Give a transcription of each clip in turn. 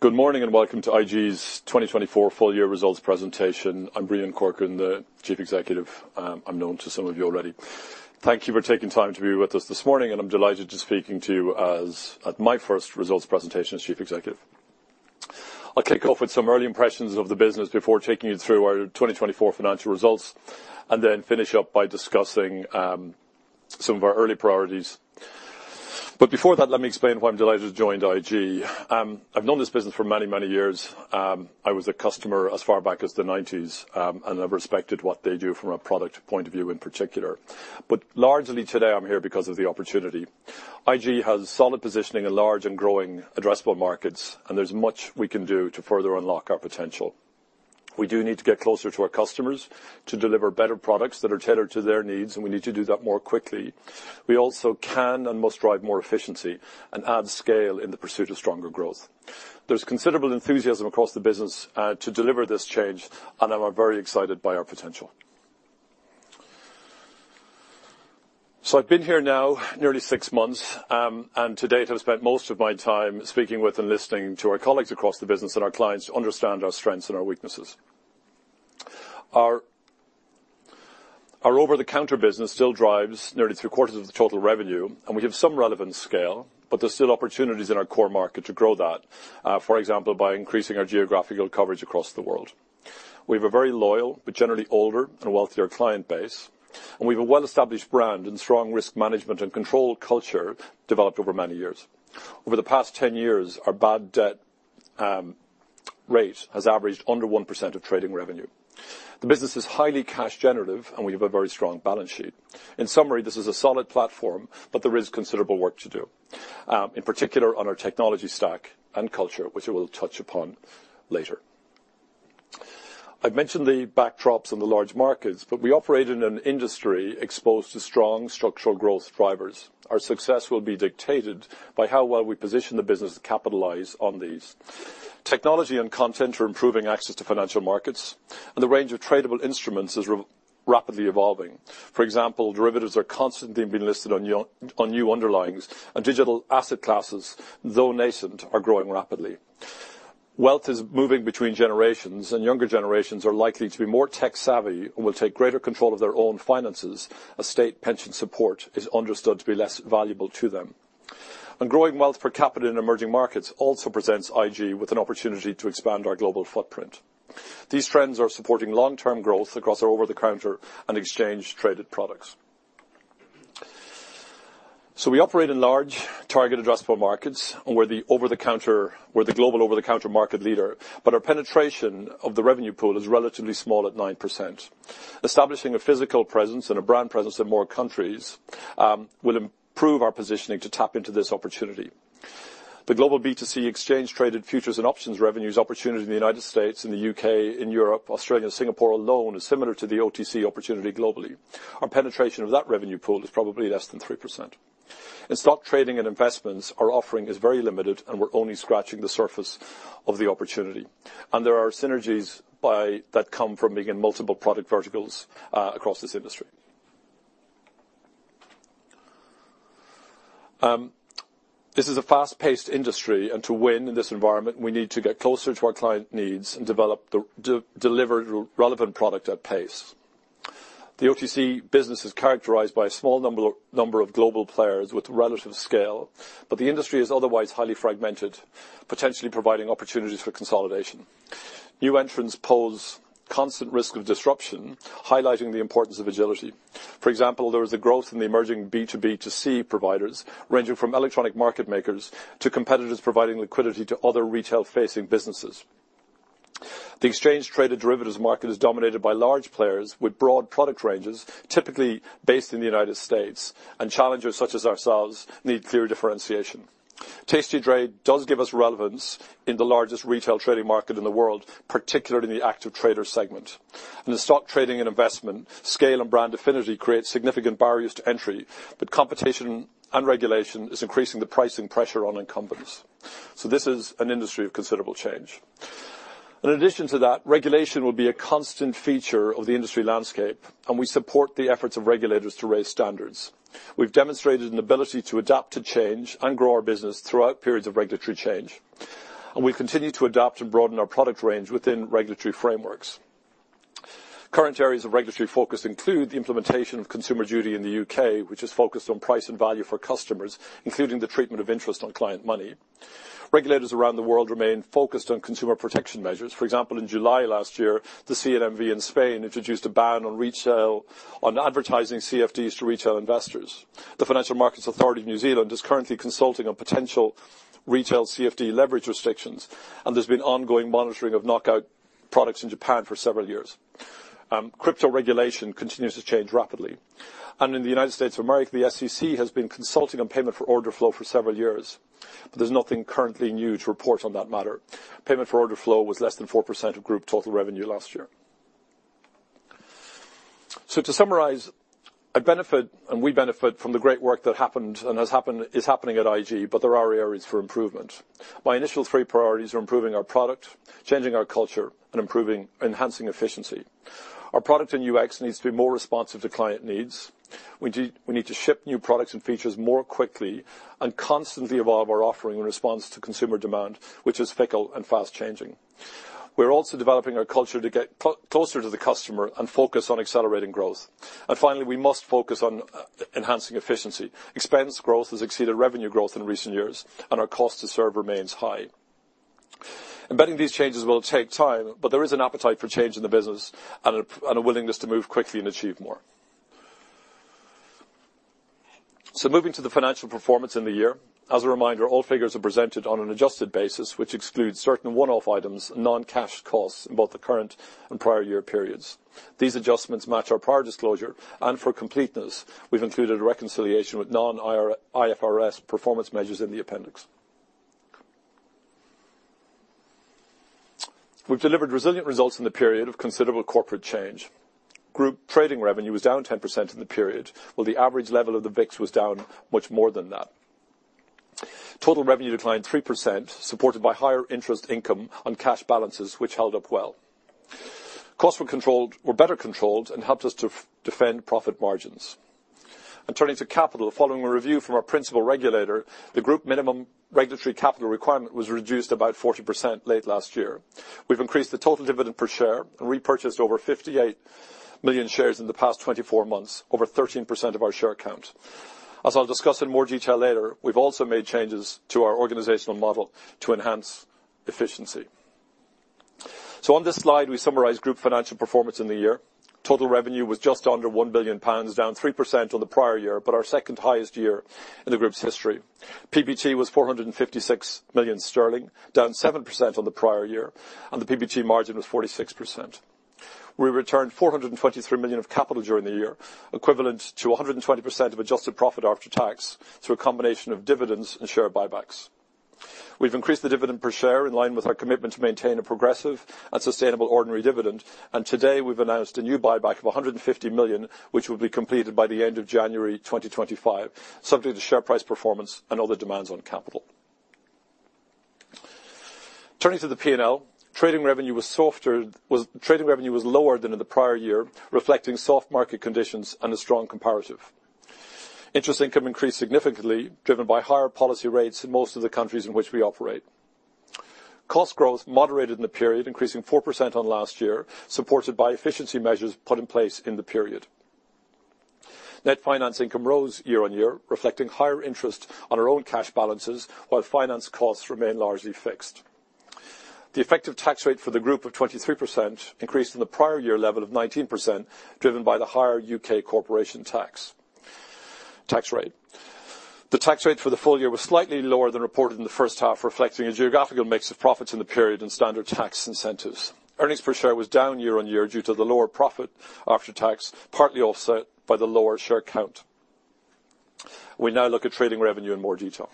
Good morning and welcome to IG's 2024 full-year results presentation. I'm Breon Corcoran, the Chief Executive. I'm known to some of you already. Thank you for taking time to be with us this morning, and I'm delighted to be speaking to you as at my first results presentation as Chief Executive. I'll kick off with some early impressions of the business before taking you through our 2024 financial results, and then finish up by discussing some of our early priorities. But before that, let me explain why I'm delighted to join IG. I've known this business for many, many years. I was a customer as far back as the 1990s, and I've respected what they do from a product point of view in particular. But largely today, I'm here because of the opportunity. IG has solid positioning in large and growing addressable markets, and there's much we can do to further unlock our potential. We do need to get closer to our customers to deliver better products that are tailored to their needs, and we need to do that more quickly. We also can and must drive more efficiency and add scale in the pursuit of stronger growth. There's considerable enthusiasm across the business to deliver this change, and I'm very excited by our potential. So I've been here now nearly six months, and to date, I've spent most of my time speaking with and listening to our colleagues across the business and our clients to understand our strengths and our weaknesses. Our over-the-counter business still drives nearly three-quarters of the total revenue, and we have some relevant scale, but there's still opportunities in our core market to grow that, for example, by increasing our geographical coverage across the world. We have a very loyal but generally older and wealthier client base, and we have a well-established brand and strong risk management and control culture developed over many years. Over the past 10 years, our bad debt rate has averaged under 1% of trading revenue. The business is highly cash-generative, and we have a very strong balance sheet. In summary, this is a solid platform, but there is considerable work to do, in particular on our technology stack and culture, which I will touch upon later. I've mentioned the backdrops and the large markets, but we operate in an industry exposed to strong structural growth drivers. Our success will be dictated by how well we position the business to capitalize on these. Technology and content are improving access to financial markets, and the range of tradable instruments is rapidly evolving. For example, derivatives are constantly being listed on new underlyings, and digital asset classes, though nascent, are growing rapidly. Wealth is moving between generations, and younger generations are likely to be more tech-savvy and will take greater control of their own finances. State pension support is understood to be less valuable to them. And growing wealth per capita in emerging markets also presents IG with an opportunity to expand our global footprint. These trends are supporting long-term growth across our over-the-counter and exchange-traded products. We operate in large target addressable markets and we're the global over-the-counter market leader, but our penetration of the revenue pool is relatively small at 9%. Establishing a physical presence and a brand presence in more countries will improve our positioning to tap into this opportunity. The global B2C exchange-traded futures and options revenues opportunity in the United States, in the U.K., in Europe, Australia, and Singapore alone is similar to the OTC opportunity globally. Our penetration of that revenue pool is probably less than 3%. In stock trading and investments, our offering is very limited, and we're only scratching the surface of the opportunity. There are synergies that come from being in multiple product verticals across this industry. This is a fast-paced industry, and to win in this environment, we need to get closer to our client needs and deliver relevant product at pace. The OTC business is characterized by a small number of global players with relative scale, but the industry is otherwise highly fragmented, potentially providing opportunities for consolidation. New entrants pose constant risk of disruption, highlighting the importance of agility. For example, there is a growth in the emerging B2B2C providers, ranging from electronic market makers to competitors providing liquidity to other retail-facing businesses. The exchange-traded derivatives market is dominated by large players with broad product ranges, typically based in the United States, and challengers such as ourselves need clear differentiation. Tastytrade does give us relevance in the largest retail trading market in the world, particularly in the active trader segment. In stock trading and investment, scale and brand affinity create significant barriers to entry, but competition and regulation are increasing the pricing pressure on incumbents. This is an industry of considerable change. In addition to that, regulation will be a constant feature of the industry landscape, and we support the efforts of regulators to raise standards. We've demonstrated an ability to adapt to change and grow our business throughout periods of regulatory change, and we'll continue to adapt and broaden our product range within regulatory frameworks. Current areas of regulatory focus include the implementation of Consumer Duty in the U.K., which is focused on price and value for customers, including the treatment of interest on client money. Regulators around the world remain focused on consumer protection measures. For example, in July last year, the CNMV in Spain introduced a ban on advertising CFDs to retail investors. The Financial Markets Authority of New Zealand is currently consulting on potential retail CFD leverage restrictions, and there's been ongoing monitoring of knockout products in Japan for several years. Crypto regulation continues to change rapidly. In the United States of America, the SEC has been consulting on payment for order flow for several years, but there's nothing currently new to report on that matter. Payment for order flow was less than 4% of group total revenue last year. To summarize, I benefit and we benefit from the great work that happened and is happening at IG, but there are areas for improvement. My initial three priorities are improving our product, changing our culture, and enhancing efficiency. Our product in UX needs to be more responsive to client needs. We need to ship new products and features more quickly and constantly evolve our offering in response to consumer demand, which is fickle and fast-changing. We're also developing our culture to get closer to the customer and focus on accelerating growth. Finally, we must focus on enhancing efficiency. Expense growth has exceeded revenue growth in recent years, and our cost to serve remains high. Embedding these changes will take time, but there is an appetite for change in the business and a willingness to move quickly and achieve more. Moving to the financial performance in the year, as a reminder, all figures are presented on an adjusted basis, which excludes certain one-off items and non-cash costs in both the current and prior year periods. These adjustments match our prior disclosure, and for completeness, we've included a reconciliation with non-IFRS performance measures in the appendix. We've delivered resilient results in the period of considerable corporate change. Group trading revenue was down 10% in the period, while the average level of the VIX was down much more than that. Total revenue declined 3%, supported by higher interest income on cash balances, which held up well. Costs were better controlled and helped us to defend profit margins. And turning to capital, following a review from our principal regulator, the group minimum regulatory capital requirement was reduced about 40% late last year. We've increased the total dividend per share and repurchased over 58 million shares in the past 24 months, over 13% of our share count. As I'll discuss in more detail later, we've also made changes to our organizational model to enhance efficiency. So on this slide, we summarize group financial performance in the year. Total revenue was just under 1 billion pounds, down 3% on the prior year, but our second highest year in the group's history. PBT was 456 million sterling, down 7% on the prior year, and the PBT margin was 46%. We returned 423 million of capital during the year, equivalent to 120% of adjusted profit after tax through a combination of dividends and share buybacks. We've increased the dividend per share in line with our commitment to maintain a progressive and sustainable ordinary dividend, and today we've announced a new buyback of 150 million, which will be completed by the end of January 2025, subject to share price performance and other demands on capital. Turning to the P&L, trading revenue was lower than in the prior year, reflecting soft market conditions and a strong comparative. Interest income increased significantly, driven by higher policy rates in most of the countries in which we operate. Cost growth moderated in the period, increasing 4% on last year, supported by efficiency measures put in place in the period. Net finance income rose year-over-year, reflecting higher interest on our own cash balances, while finance costs remain largely fixed. The effective tax rate for the group of 23% increased in the prior year level of 19%, driven by the higher UK Corporation Tax rate. The tax rate for the full year was slightly lower than reported in the first half, reflecting a geographical mix of profits in the period and standard tax incentives. Earnings per share was down year-over-year due to the lower profit after tax, partly offset by the lower share count. We now look at trading revenue in more detail.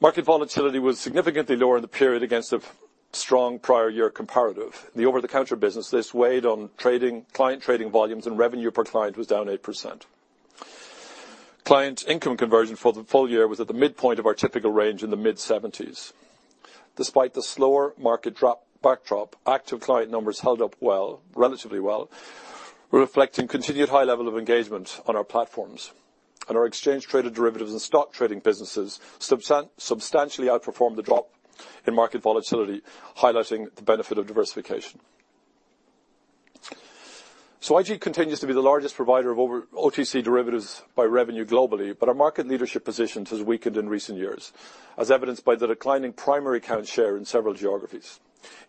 Market volatility was significantly lower in the period against a strong prior year comparative. The over-the-counter business, this weighed on client trading volumes, and revenue per client was down 8%. Client income conversion for the full year was at the midpoint of our typical range in the mid-70s. Despite the slower market backdrop, active client numbers held up relatively well, reflecting a continued high level of engagement on our platforms. Our exchange-traded derivatives and stock trading businesses substantially outperformed the drop in market volatility, highlighting the benefit of diversification. IG continues to be the largest provider of OTC derivatives by revenue globally, but our market leadership positions have weakened in recent years, as evidenced by the declining primary account share in several geographies.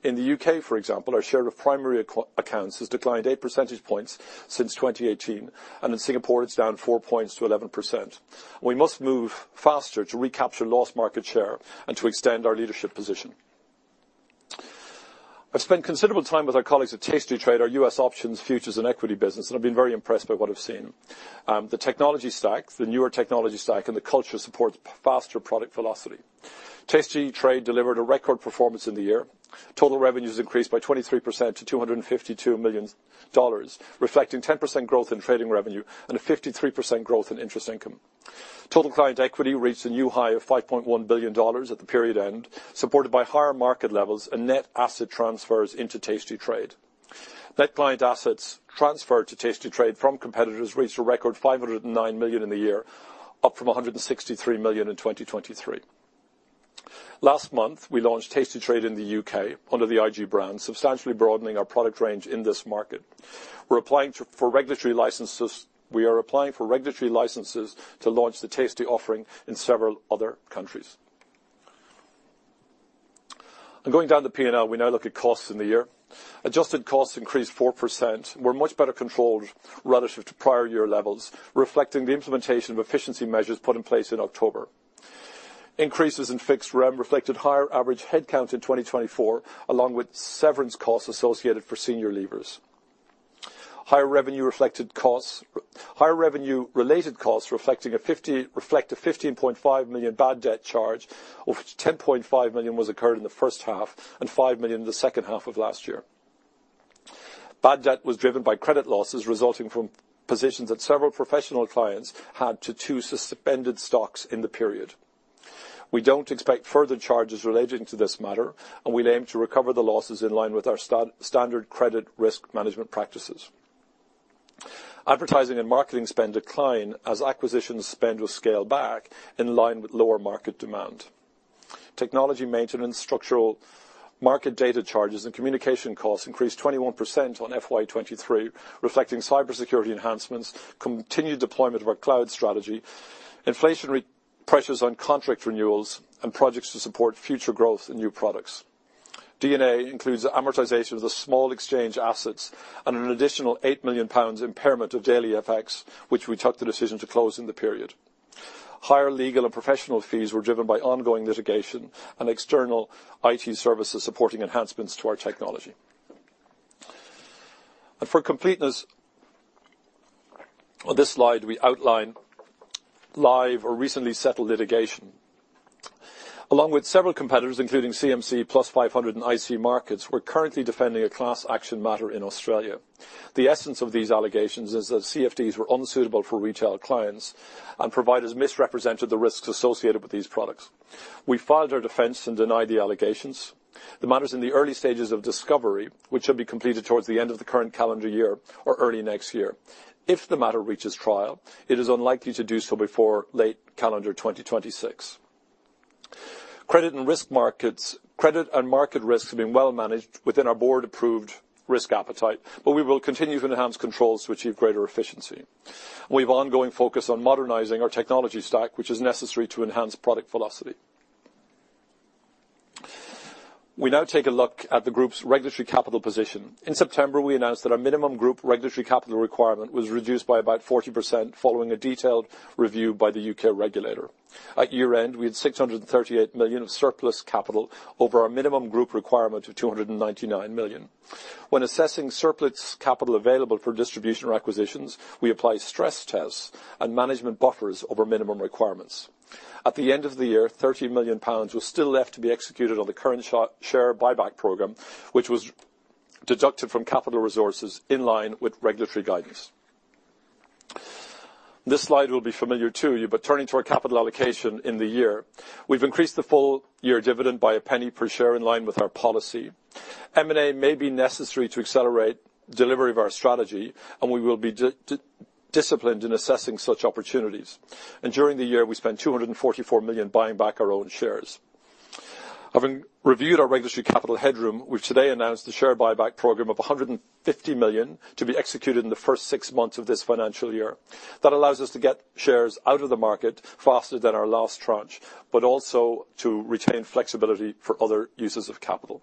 In the U.K., for example, our share of primary accounts has declined 8 percentage points since 2018, and in Singapore, it's down 4 points to 11%. We must move faster to recapture lost market share and to extend our leadership position. I've spent considerable time with our colleagues at tastytrade, our US options, futures, and equity business, and I've been very impressed by what I've seen. The technology stack, the newer technology stack, and the culture support faster product velocity. Tastytrade delivered a record performance in the year. Total revenues increased by 23% to $252 million, reflecting 10% growth in trading revenue and a 53% growth in interest income. Total client equity reached a new high of $5.1 billion at the period end, supported by higher market levels and net asset transfers into tastytrade. Net client assets transferred to tastytrade from competitors reached a record $509 million in the year, up from $163 million in 2023. Last month, we launched tastytrade in the U.K. under the IG brand, substantially broadening our product range in this market. We're applying for regulatory licenses to launch the Tasty offering in several other countries. Going down the P&L, we now look at costs in the year. Adjusted costs increased 4%. We're much better controlled relative to prior year levels, reflecting the implementation of efficiency measures put in place in October. Increases in fixed revenue reflected higher average headcount in 2024, along with severance costs associated for senior leavers. Higher revenue-related costs reflecting a 15.5 million bad debt charge, of which 10.5 million was incurred in the first half and 5 million in the second half of last year. Bad debt was driven by credit losses resulting from positions that several professional clients had in two suspended stocks in the period. We don't expect further charges relating to this matter, and we'll aim to recover the losses in line with our standard credit risk management practices. Advertising and marketing spend declined as acquisition spend was scaled back in line with lower market demand. Technology maintenance, structural market data charges, and communication costs increased 21% on FY23, reflecting cybersecurity enhancements, continued deployment of our cloud strategy, inflationary pressures on contract renewals, and projects to support future growth in new products. DA includes amortization of the Small Exchange assets and an additional GBP 8 million impairment of DailyFX, which we took the decision to close in the period. Higher legal and professional fees were driven by ongoing litigation and external IT services supporting enhancements to our technology. For completeness, on this slide, we outline live or recently settled litigation. Along with several competitors, including CMC, Plus500, and IC Markets, we're currently defending a class action matter in Australia. The essence of these allegations is that CFDs were unsuitable for retail clients, and providers misrepresented the risks associated with these products. We filed our defense and denied the allegations. The matter is in the early stages of discovery, which should be completed towards the end of the current calendar year or early next year. If the matter reaches trial, it is unlikely to do so before late calendar 2026. Credit and market risks have been well managed within our board-approved risk appetite, but we will continue to enhance controls to achieve greater efficiency. We have ongoing focus on modernizing our technology stack, which is necessary to enhance product velocity. We now take a look at the group's regulatory capital position. In September, we announced that our minimum group regulatory capital requirement was reduced by about 40% following a detailed review by the UK regulator. At year-end, we had 638 million of surplus capital over our minimum group requirement of 299 million. When assessing surplus capital available for distribution requisitions, we apply stress tests and management buffers over minimum requirements. At the end of the year, 30 million pounds was still left to be executed on the current share buyback program, which was deducted from capital resources in line with regulatory guidance. This slide will be familiar to you, but turning to our capital allocation in the year, we've increased the full-year dividend by a penny per share in line with our policy. M&A may be necessary to accelerate delivery of our strategy, and we will be disciplined in assessing such opportunities. During the year, we spent 244 million buying back our own shares. Having reviewed our regulatory capital headroom, we've today announced a share buyback program of 150 million to be executed in the first six months of this financial year. That allows us to get shares out of the market faster than our last tranche, but also to retain flexibility for other uses of capital.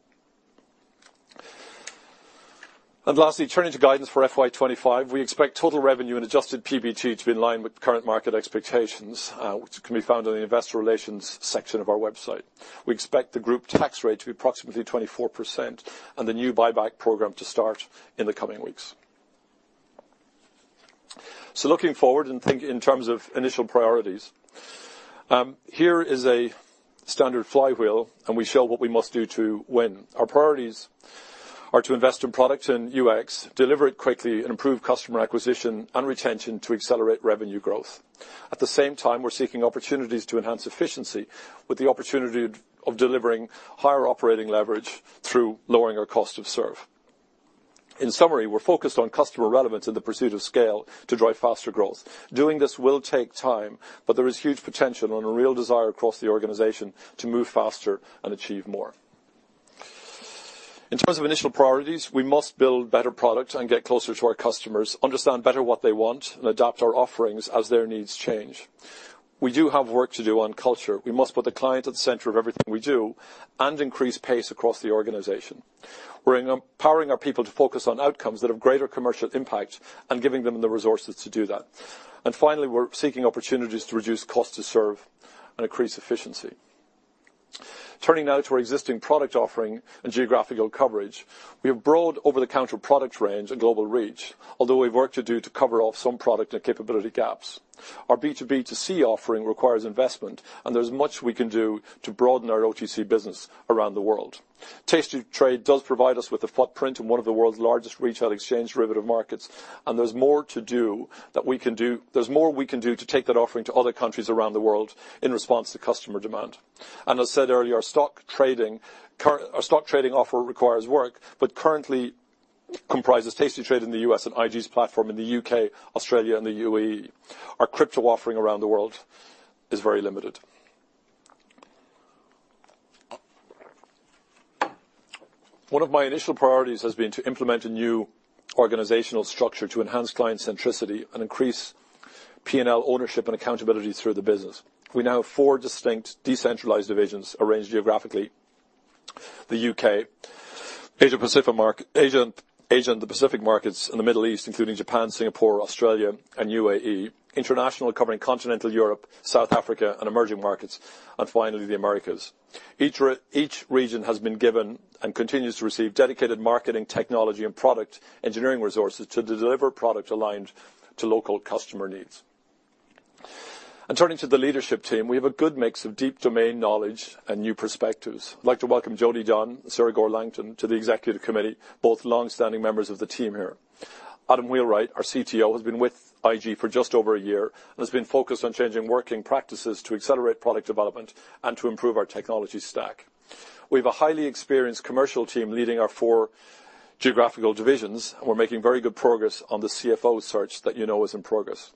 Lastly, turning to guidance for FY25, we expect total revenue and adjusted PBT to be in line with current market expectations, which can be found in the investor relations section of our website. We expect the group tax rate to be approximately 24% and the new buyback program to start in the coming weeks. Looking forward and thinking in terms of initial priorities, here is a standard flywheel, and we show what we must do to win. Our priorities are to invest in product and UX, deliver it quickly, and improve customer acquisition and retention to accelerate revenue growth. At the same time, we're seeking opportunities to enhance efficiency with the opportunity of delivering higher operating leverage through lowering our cost to serve. In summary, we're focused on customer relevance in the pursuit of scale to drive faster growth. Doing this will take time, but there is huge potential and a real desire across the organization to move faster and achieve more. In terms of initial priorities, we must build better product and get closer to our customers, understand better what they want, and adapt our offerings as their needs change. We do have work to do on culture. We must put the client at the center of everything we do and increase pace across the organization. We're empowering our people to focus on outcomes that have greater commercial impact and giving them the resources to do that. And finally, we're seeking opportunities to reduce cost of serve and increase efficiency. Turning now to our existing product offering and geographical coverage, we have broad over-the-counter product range and global reach, although we've worked to do to cover off some product and capability gaps. Our B2B2C offering requires investment, and there's much we can do to broaden our OTC business around the world. Tastytrade does provide us with a footprint in one of the world's largest retail exchange derivative markets, and there's more to do that we can do. There's more we can do to take that offering to other countries around the world in response to customer demand. As said earlier, our stock trading offer requires work, but currently comprises tastytrade in the U.S. and IG's platform in the U.K., Australia, and the UAE. Our Crypto offering around the world is very limited. One of my initial priorities has been to implement a new organizational structure to enhance client centricity and increase P&L ownership and accountability through the business. We now have four distinct decentralized divisions arranged geographically: the U.K., Asia-Pacific markets, and the Middle East, including Japan, Singapore, Australia, and UAE, international covering continental Europe, South Africa, and emerging markets, and finally, the Americas. Each region has been given and continues to receive dedicated marketing, technology, and product engineering resources to deliver product aligned to local customer needs. Turning to the leadership team, we have a good mix of deep domain knowledge and new perspectives. I'd like to welcome Jody Dunn, Sarah Gore Langton, to the executive committee, both long-standing members of the team here. Adam Wheelwright, our CTO, has been with IG for just over a year and has been focused on changing working practices to accelerate product development and to improve our technology stack. We have a highly experienced commercial team leading our four geographical divisions, and we're making very good progress on the CFO search that you know is in progress.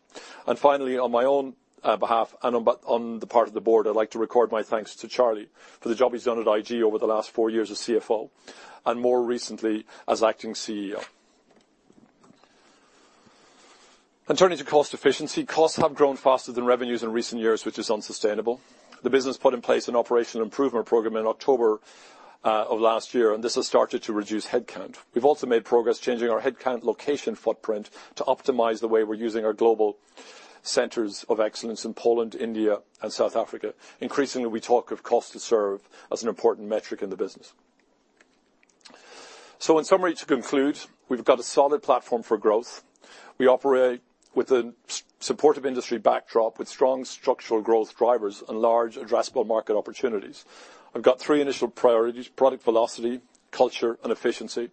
And finally, on my own behalf and on the part of the board, I'd like to record my thanks to Charlie for the job he's done at IG over the last four years as CFO and more recently as acting CEO. And turning to cost efficiency, costs have grown faster than revenues in recent years, which is unsustainable. The business put in place an operational improvement program in October of last year, and this has started to reduce headcount. We've also made progress changing our headcount location footprint to optimize the way we're using our global centers of excellence in Poland, India, and South Africa. Increasingly, we talk of cost to serve as an important metric in the business. So in summary, to conclude, we've got a solid platform for growth. We operate with a supportive industry backdrop with strong structural growth drivers and large addressable market opportunities. I've got three initial priorities: product velocity, culture, and efficiency.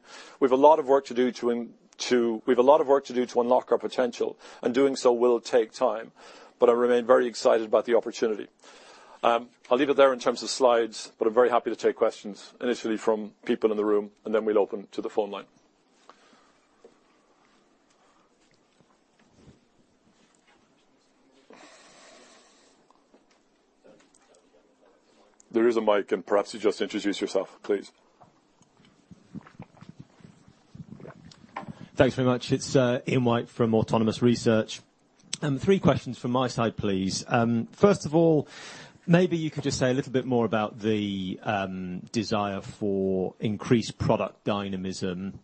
We have a lot of work to do to unlock our potential, and doing so will take time, but I remain very excited about the opportunity. I'll leave it there in terms of slides, but I'm very happy to take questions initially from people in the room, and then we'll open to the phone line. There is a mic, and perhaps you just introduce yourself, please. Thanks very much. It's Ian White from Autonomous Research. Three questions from my side, please. First of all, maybe you could just say a little bit more about the desire for increased product dynamism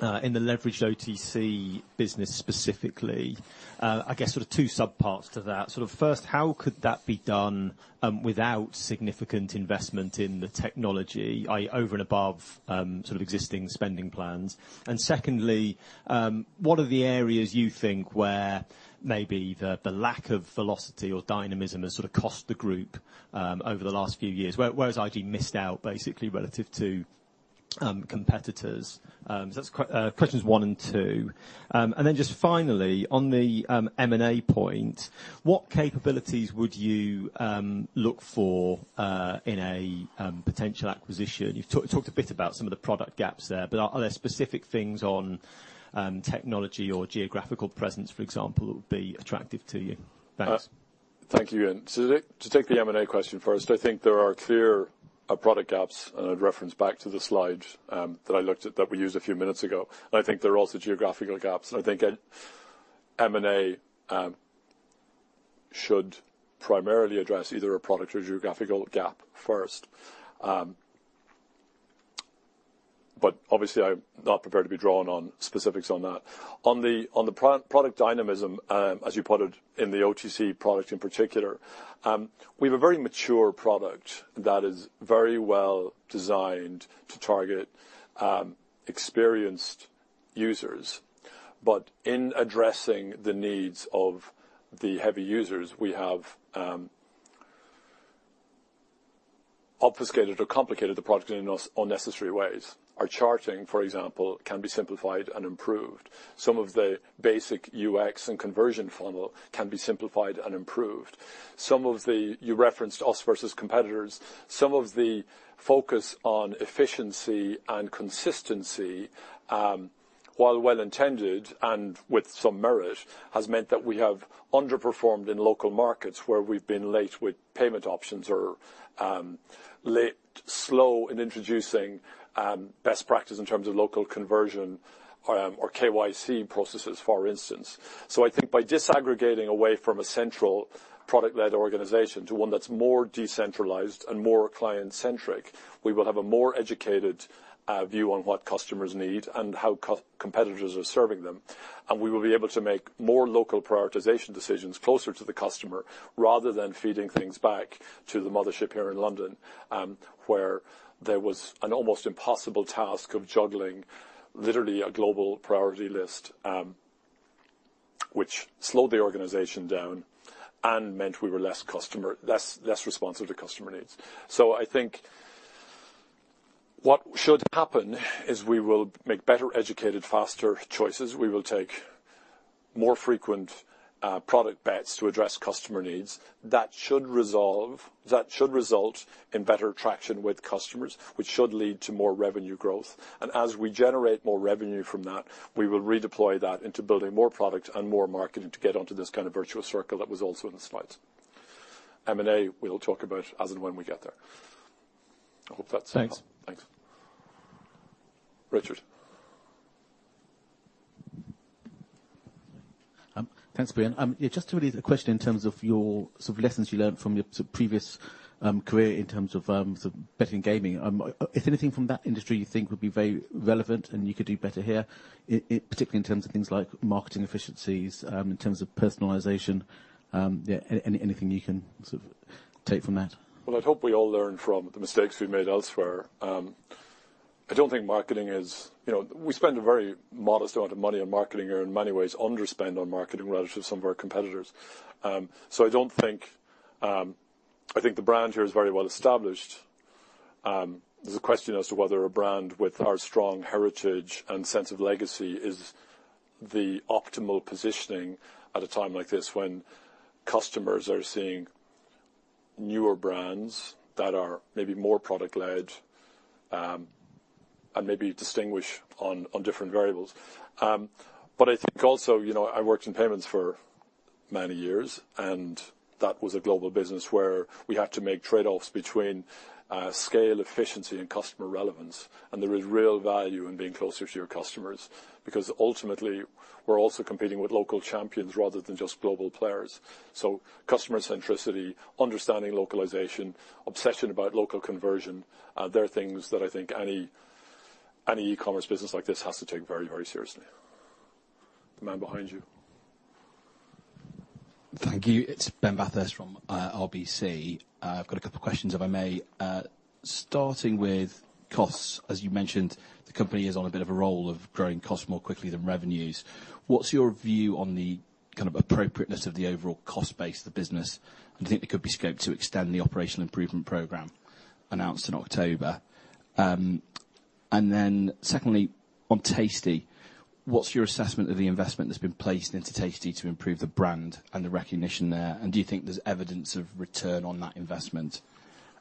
in the leveraged OTC business specifically. I guess sort of two subparts to that. Sort of first, how could that be done without significant investment in the technology, i.e., over and above sort of existing spending plans? And secondly, what are the areas you think where maybe the lack of velocity or dynamism has sort of cost the group over the last few years? Where has IG missed out basically relative to competitors? So that's questions one and two. And then just finally, on the M&A point, what capabilities would you look for in a potential acquisition? You've talked a bit about some of the product gaps there, but are there specific things on technology or geographical presence, for example, that would be attractive to you? Thanks. Thank you, Ian. To take the M&A question first, I think there are clear product gaps, and I'd reference back to the slides that I looked at that we used a few minutes ago. And I think there are also geographical gaps. And I think M&A should primarily address either a product or geographical gap first. But obviously, I'm not prepared to be drawn on specifics on that. On the product dynamism, as you put it, in the OTC product in particular, we have a very mature product that is very well designed to target experienced users. But in addressing the needs of the heavy users, we have obfuscated or complicated the product in unnecessary ways. Our charting, for example, can be simplified and improved. Some of the basic UX and conversion funnel can be simplified and improved. Some of the (you referenced us versus competitors) some of the focus on efficiency and consistency, while well-intended and with some merit, has meant that we have underperformed in local markets where we've been late with payment options or slow in introducing best practice in terms of local conversion or KYC processes, for instance. I think by disaggregating away from a central product-led organization to one that's more decentralized and more client-centric, we will have a more educated view on what customers need and how competitors are serving them. We will be able to make more local prioritization decisions closer to the customer rather than feeding things back to the mothership here in London, where there was an almost impossible task of juggling literally a global priority list, which slowed the organization down and meant we were less responsive to customer needs. I think what should happen is we will make better educated, faster choices. We will take more frequent product bets to address customer needs. That should result in better traction with customers, which should lead to more revenue growth. And as we generate more revenue from that, we will redeploy that into building more product and more marketing to get onto this kind of virtuous circle that was also in the slides. M&A, we'll talk about as and when we get there. I hope that's. Thanks. Thanks. Richard. Thanks, Breon. Just to really. A question in terms of your sort of lessons you learned from your previous career in terms of betting and gaming. Is there anything from that industry you think would be very relevant and you could do better here, particularly in terms of things like marketing efficiencies, in terms of personalization? Anything you can sort of take from that? Well, I hope we all learn from the mistakes we've made elsewhere. I don't think marketing is, we spend a very modest amount of money on marketing here and, in many ways, underspend on marketing relative to some of our competitors. So I don't think, I think the brand here is very well established. There's a question as to whether a brand with our strong heritage and sense of legacy is the optimal positioning at a time like this when customers are seeing newer brands that are maybe more product-led and maybe distinguish on different variables. But I think also I worked in payments for many years, and that was a global business where we had to make trade-offs between scale, efficiency, and customer relevance. And there is real value in being closer to your customers because, ultimately, we're also competing with local champions rather than just global players. So customer centricity, understanding localization, obsession about local conversion, they're things that I think any e-commerce business like this has to take very, very seriously. The man behind you. Thank you. It's Ben Bathurst from RBC. I've got a couple of questions, if I may. Starting with costs, as you mentioned, the company is on a bit of a roll of growing costs more quickly than revenues. What's your view on the kind of appropriateness of the overall cost base of the business? And do you think there could be scope to extend the operational improvement program announced in October? And then secondly, on Tasty, what's your assessment of the investment that's been placed into Tasty to improve the brand and the recognition there? And do you think there's evidence of return on that investment?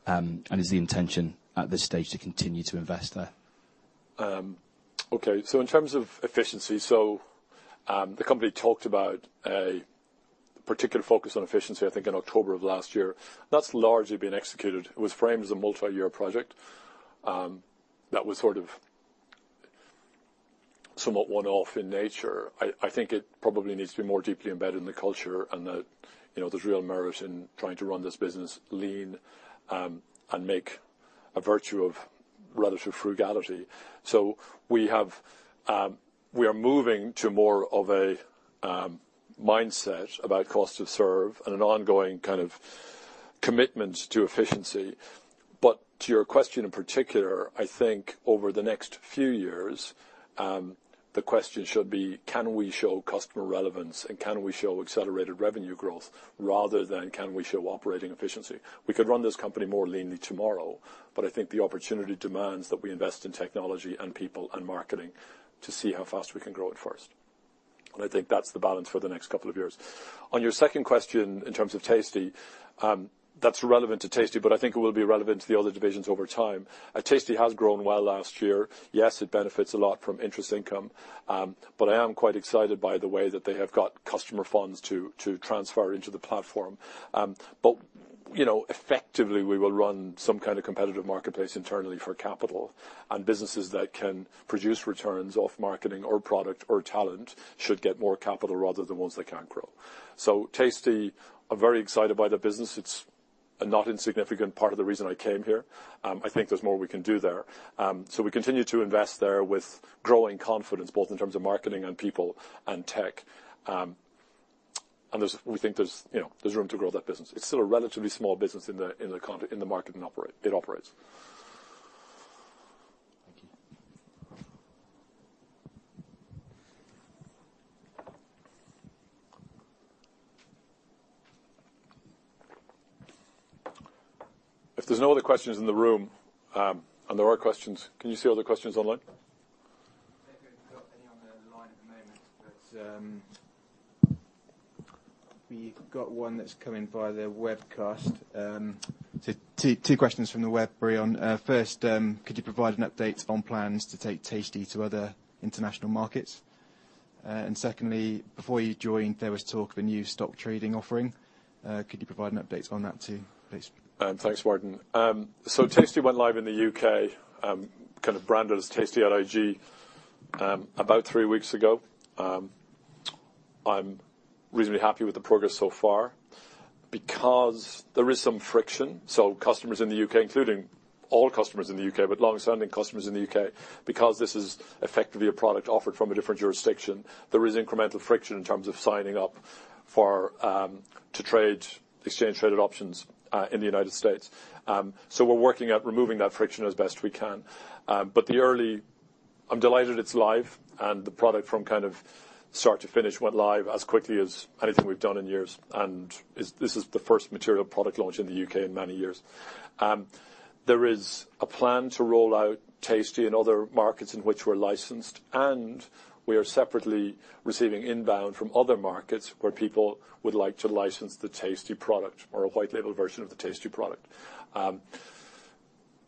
And is the intention at this stage to continue to invest there? Okay. So in terms of efficiency, so the company talked about a particular focus on efficiency, I think, in October of last year. That's largely been executed. It was framed as a multi-year project that was sort of somewhat one-off in nature. I think it probably needs to be more deeply embedded in the culture and that there's real merit in trying to run this business lean and make a virtue of relative frugality. So we are moving to more of a mindset about cost to serve and an ongoing kind of commitment to efficiency. But to your question in particular, I think over the next few years, the question should be, can we show customer relevance and can we show accelerated revenue growth rather than can we show operating efficiency? We could run this company more leanly tomorrow, but I think the opportunity demands that we invest in technology and people and marketing to see how fast we can grow it first. I think that's the balance for the next couple of years. On your second question in terms of Tasty, that's relevant to Tasty, but I think it will be relevant to the other divisions over time. Tasty has grown well last year. Yes, it benefits a lot from interest income, but I am quite excited by the way that they have got customer funds to transfer into the platform. But effectively, we will run some kind of competitive marketplace internally for capital, and businesses that can produce returns off marketing or product or talent should get more capital rather than ones that can't grow. Tasty, I'm very excited by the business. It's a not insignificant part of the reason I came here. I think there's more we can do there. So we continue to invest there with growing confidence, both in terms of marketing and people and tech. And we think there's room to grow that business. It's still a relatively small business in the market it operates. Thank you. If there's no other questions in the room and there are questions, can you see other questions online? I don't think we've got any on the line at the moment, but we've got one that's come in via the webcast. So two questions from the web, Breon. First, could you provide an update on plans to take Tasty to other international markets? And secondly, before you joined, there was talk of a new stock trading offering. Could you provide an update on that too, please? Thanks, Martin. So tastytrade went live in the U.K., kind of branded as tastytrade at IG, about three weeks ago. I'm reasonably happy with the progress so far because there is some friction. So customers in the U.K., including all customers in the U.K., but longstanding customers in the U.K., because this is effectively a product offered from a different jurisdiction, there is incremental friction in terms of signing up to trade exchange-traded options in the United States. So we're working at removing that friction as best we can. But I'm delighted it's live, and the product from kind of start to finish went live as quickly as anything we've done in years. And this is the first material product launch in the U.K. in many years. There is a plan to roll out Tasty in other markets in which we're licensed, and we are separately receiving inbound from other markets where people would like to license the Tasty product or a white-label version of the Tasty product.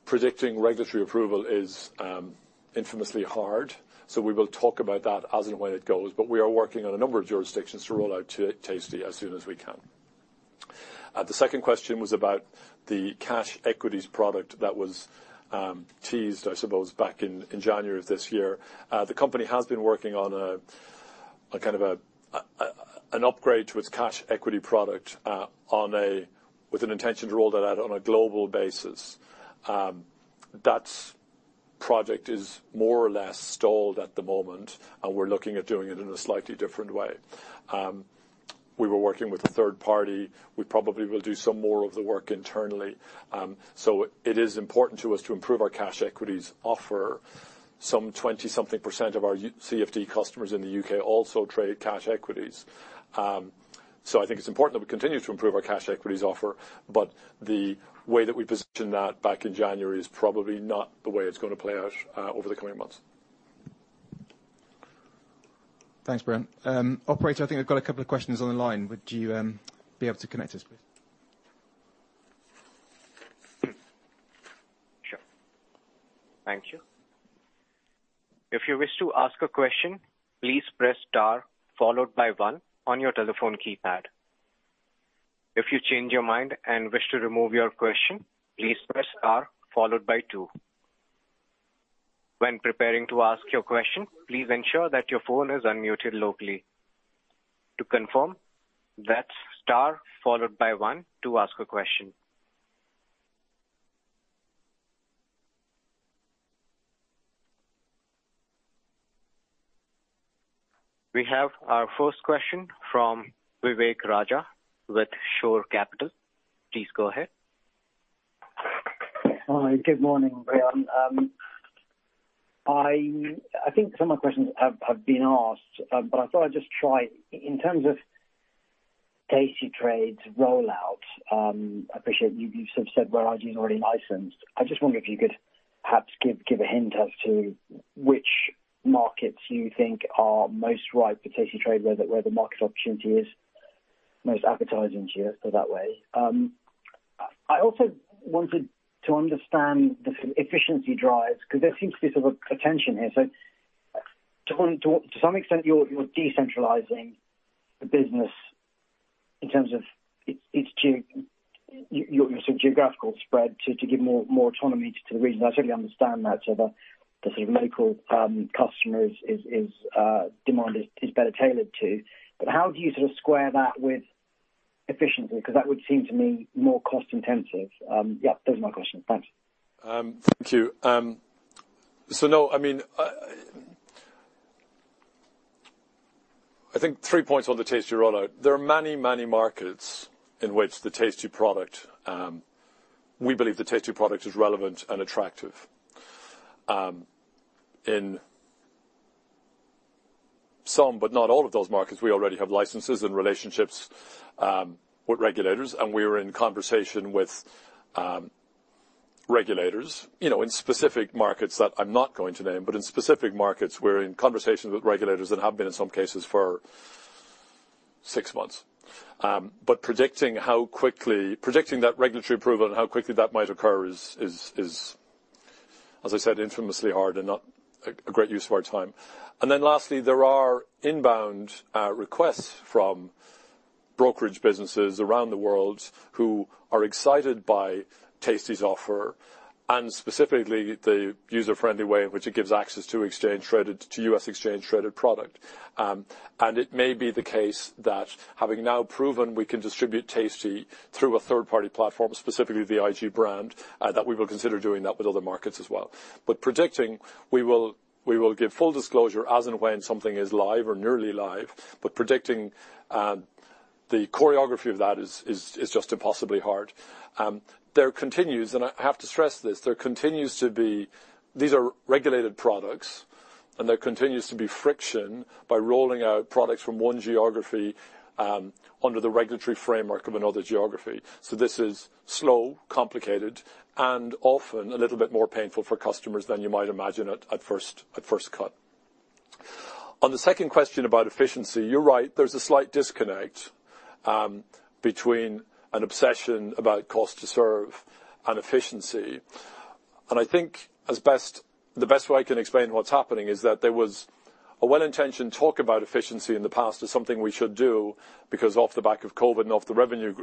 Predicting regulatory approval is infamously hard, so we will talk about that as and when it goes. But we are working on a number of jurisdictions to roll out Tasty as soon as we can. The second question was about the cash equities product that was teased, I suppose, back in January of this year. The company has been working on kind of an upgrade to its cash equity product with an intention to roll that out on a global basis. That project is more or less stalled at the moment, and we're looking at doing it in a slightly different way. We were working with a third party. We probably will do some more of the work internally. So it is important to us to improve our cash equities offer. Some 20-something% of our CFD customers in the U.K. also trade cash equities. So I think it's important that we continue to improve our cash equities offer, but the way that we positioned that back in January is probably not the way it's going to play out over the coming months. Thanks, Breon. Operator, I think I've got a couple of questions on the line. Would you be able to connect us, please? Sure. Thank you. If you wish to ask a question, please press star followed by one on your telephone keypad. If you change your mind and wish to remove your question, please press star followed by two. When preparing to ask your question, please ensure that your phone is unmuted locally. To confirm, that's star followed by one to ask a question. We have our first question from Vivek Raja with Shore Capital. Please go ahead. Good morning, Breon. I think some of my questions have been asked, but I thought I'd just try in terms of tastytrade's rollout. I appreciate you've sort of said where IG is already licensed. I just wonder if you could perhaps give a hint as to which markets you think are most ripe for tastytrade, where the market opportunity is most appetizing to you that way. I also wanted to understand the efficiency drives because there seems to be sort of a tension here. So to some extent, you're decentralizing the business in terms of your sort of geographical spread to give more autonomy to the region. I certainly understand that sort of the sort of local customers' demand is better tailored to. But how do you sort of square that with efficiency? Because that would seem to me more cost-intensive. Yep, those are my questions. Thanks. Thank you. No, I mean, I think three points on the tastytrade rollout. There are many, many markets in which the tastytrade product we believe the tastytrade product is relevant and attractive. In some, but not all of those markets, we already have licenses and relationships with regulators, and we are in conversation with regulators in specific markets that I'm not going to name, but in specific markets, we're in conversation with regulators and have been in some cases for six months. But predicting that regulatory approval and how quickly that might occur is, as I said, infamously hard and not a great use of our time. And then lastly, there are inbound requests from brokerage businesses around the world who are excited by Tasty's offer and specifically the user-friendly way in which it gives access to exchange-traded to U.S. exchange-traded product. And it may be the case that having now proven we can distribute Tasty through a third-party platform, specifically the IG brand, that we will consider doing that with other markets as well. But predicting, we will give full disclosure as and when something is live or nearly live, but predicting the choreography of that is just impossibly hard. There continues, and I have to stress this, there continues to be these are regulated products, and there continues to be friction by rolling out products from one geography under the regulatory framework of another geography. So this is slow, complicated, and often a little bit more painful for customers than you might imagine at first cut. On the second question about efficiency, you're right, there's a slight disconnect between an obsession about cost to serve and efficiency. And I think the best way I can explain what's happening is that there was a well-intentioned talk about efficiency in the past as something we should do because off the back of COVID and off the revenue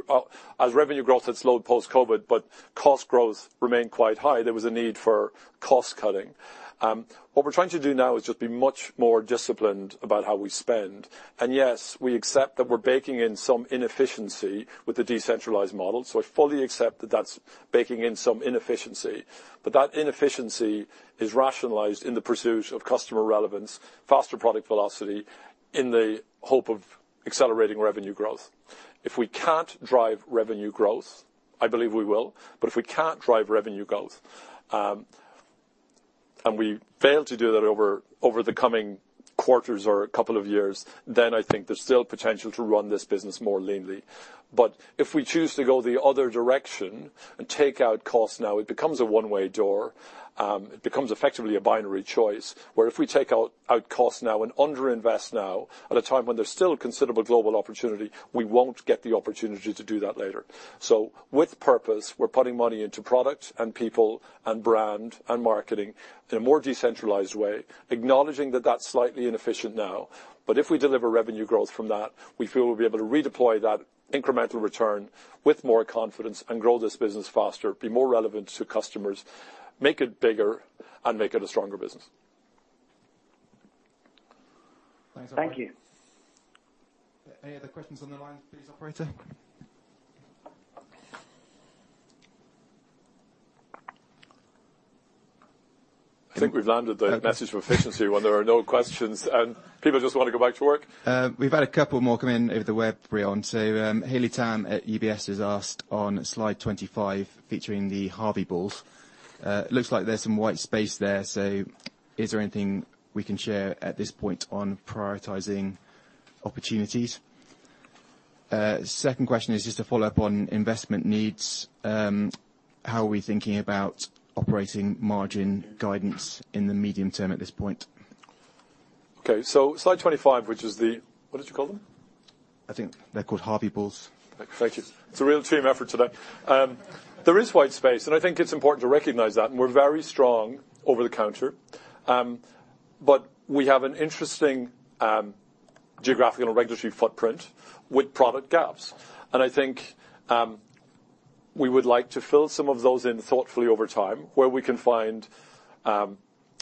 as revenue growth had slowed post-COVID, but cost growth remained quite high, there was a need for cost cutting. What we're trying to do now is just be much more disciplined about how we spend. And yes, we accept that we're baking in some inefficiency with the decentralized model. So I fully accept that that's baking in some inefficiency. But that inefficiency is rationalized in the pursuit of customer relevance, faster product velocity in the hope of accelerating revenue growth. If we can't drive revenue growth, I believe we will. But if we can't drive revenue growth and we fail to do that over the coming quarters or a couple of years, then I think there's still potential to run this business more leanly. But if we choose to go the other direction and take out cost now, it becomes a one-way door. It becomes effectively a binary choice where if we take out cost now and underinvest now at a time when there's still considerable global opportunity, we won't get the opportunity to do that later. So with purpose, we're putting money into product and people and brand and marketing in a more decentralized way, acknowledging that that's slightly inefficient now. But if we deliver revenue growth from that, we feel we'll be able to redeploy that incremental return with more confidence and grow this business faster, be more relevant to customers, make it bigger, and make it a stronger business. Thanks a lot. Thank you. Any other questions on the line, please, Operator? I think we've landed the message for efficiency when there are no questions and people just want to go back to work. We've had a couple more come in over the web, Breon. So Hayley Tam at UBS has asked on slide 25 featuring the Harvey Balls. Looks like there's some white space there. So is there anything we can share at this point on prioritizing opportunities? Second question is just to follow up on investment needs. How are we thinking about operating margin guidance in the medium term at this point? Okay. So slide 25, which is the what did you call them? I think they're called Harvey Balls. Thank you. It's a real team effort today. There is white space, and I think it's important to recognize that. We're very strong over the counter, but we have an interesting geographical and regulatory footprint with product gaps. I think we would like to fill some of those in thoughtfully over time where we can find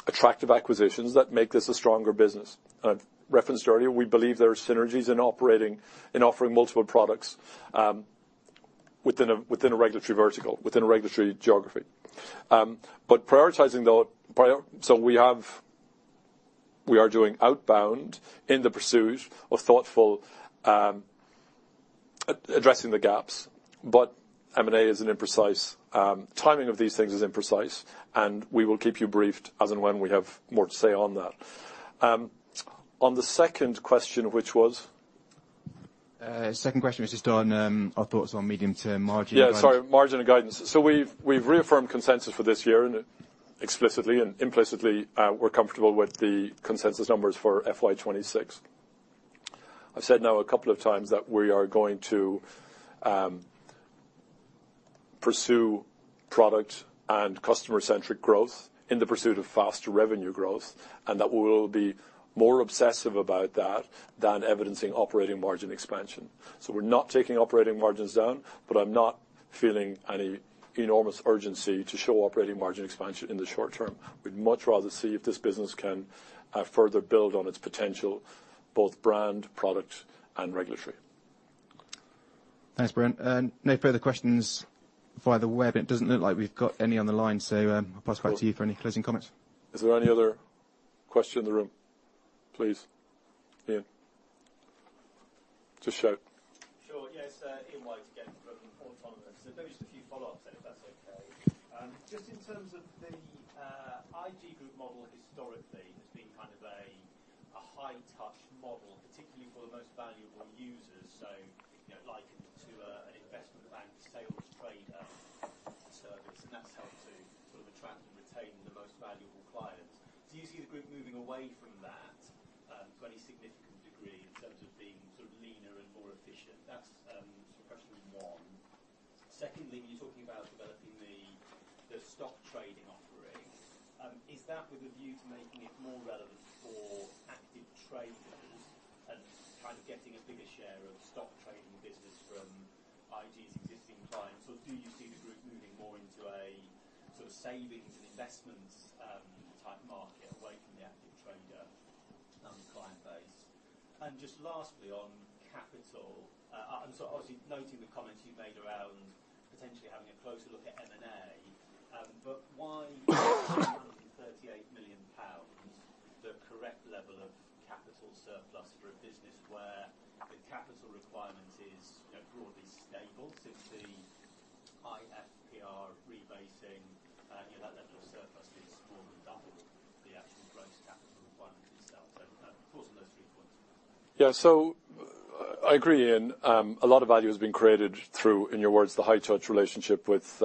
attractive acquisitions that make this a stronger business. I've referenced earlier, we believe there are synergies in operating and offering multiple products within a regulatory vertical, within a regulatory geography. Prioritizing though, we are doing outbound in the pursuit of thoughtful addressing the gaps, but M&A is an imprecise timing of these things is imprecise, and we will keep you briefed as and when we have more to say on that. On the second question, which was? Second question was just on our thoughts on medium-term margin. Yeah, sorry. Margin and guidance. So we've reaffirmed consensus for this year, and explicitly and implicitly, we're comfortable with the consensus numbers for FY26. I've said now a couple of times that we are going to pursue product and customer-centric growth in the pursuit of faster revenue growth, and that we will be more obsessive about that than evidencing operating margin expansion. So we're not taking operating margins down, but I'm not feeling any enormous urgency to show operating margin expansion in the short term. We'd much rather see if this business can further build on its potential, both brand, product, and regulatory. Thanks, Breon. No further questions via the web. It doesn't look like we've got any on the line, so I'll pass back to you for any closing comments. Is there any other question in the room? Please, Ian. Just shout. Sure. Yes, Ian White again from Autonomous. So those are the few follow-ups, if that's okay. Just in terms of the IG Group model, historically, it's been kind of a high-touch model, particularly for the most valuable users. So, like, to an investment bank sales trader service, and that's helped to sort of attract and retain the most valuable clients. Do you see the group moving away from that to any significant degree in terms of being sort of leaner and more efficient? That's question one. Secondly, when you're talking about developing the stock trading offering, is that with a view to making it more relevant for active traders and kind of getting a bigger share of stock trading business from IG's existing clients? Or do you see the group moving more into a sort of savings and investments type market away from the active trader client base? And just lastly, on capital, I'm sort of obviously noting the comments you've made around potentially having a closer look at M&A, but why is GBP 138 million the correct level of capital surplus for a business where the capital requirement is broadly stable since the IFPR rebasing, that level of surplus is more than double the actual gross capital requirement itself? So of course, on those three points. Yeah. So I agree, Ian. A lot of value has been created through, in your words, the high-touch relationship with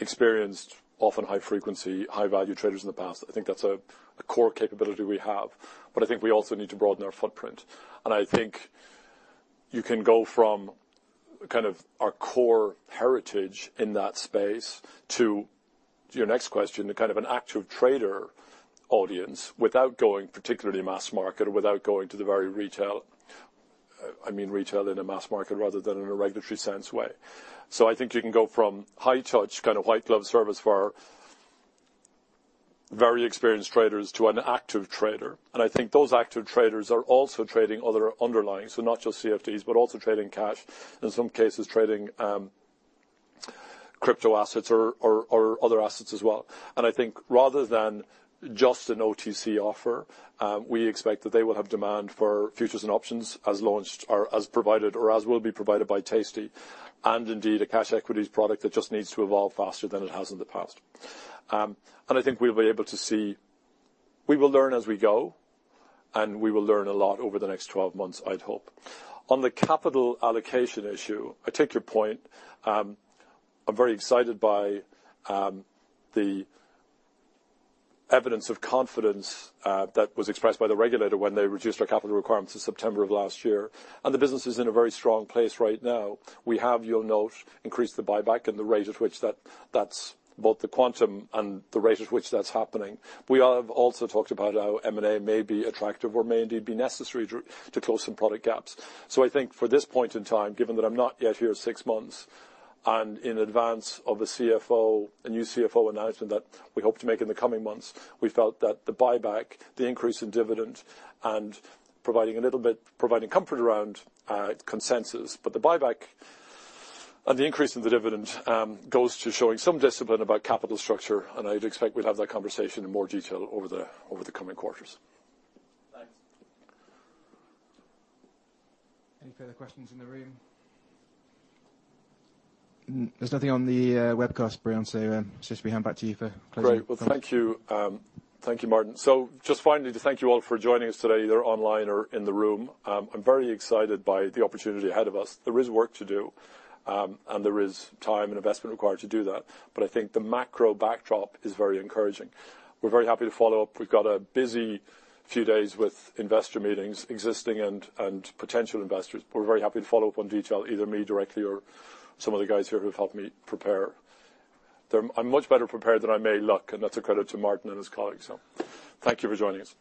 experienced, often high-frequency, high-value traders in the past. I think that's a core capability we have, but I think we also need to broaden our footprint. I think you can go from kind of our core heritage in that space to your next question, kind of an active trader audience without going particularly mass market, without going to the very retail, I mean, retail in a mass market rather than in a regulatory-sense way. So I think you can go from high-touch kind of white-glove service for very experienced traders to an active trader. And I think those active traders are also trading other underlying, so not just CFDs, but also trading cash, in some cases trading crypto assets or other assets as well. And I think rather than just an OTC offer, we expect that they will have demand for futures and options as provided or as will be provided by Tasty and indeed a cash equities product that just needs to evolve faster than it has in the past. I think we'll be able to see we will learn as we go, and we will learn a lot over the next 12 months, I'd hope. On the capital allocation issue, I take your point. I'm very excited by the evidence of confidence that was expressed by the regulator when they reduced our capital requirements in September of last year. The business is in a very strong place right now. We have, you'll note, increased the buyback and the rate at which that's both the quantum and the rate at which that's happening. We have also talked about how M&A may be attractive or may indeed be necessary to close some product gaps. So I think for this point in time, given that I'm not yet here six months and in advance of a new CFO announcement that we hope to make in the coming months, we felt that the buyback, the increase in dividend, and providing a little bit, providing comfort around consensus, but the buyback and the increase in the dividend goes to showing some discipline about capital structure. And I'd expect we'd have that conversation in more detail over the coming quarters. Thanks. Any further questions in the room? There's nothing on the webcast, Breon. So Breon, we hand back to you for closing. Great. Well, thank you, Martin. So just finally, to thank you all for joining us today, either online or in the room. I'm very excited by the opportunity ahead of us. There is work to do, and there is time and investment required to do that. But I think the macro backdrop is very encouraging. We're very happy to follow up. We've got a busy few days with investor meetings, existing and potential investors. We're very happy to follow up on detail, either me directly or some of the guys here who've helped me prepare. I'm much better prepared than I may look, and that's a credit to Martin and his colleagues. So thank you for joining us.